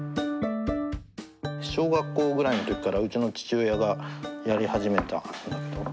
小学校ぐらいの時からうちの父親がやり始めたことだけど。